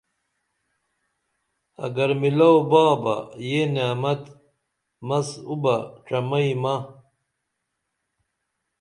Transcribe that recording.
اگر میلؤ بابہ یہ نعمت مس اُبہ ڇمئی مہ